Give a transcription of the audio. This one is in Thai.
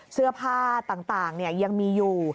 เสื้อผ้าต่างยังมีอยู่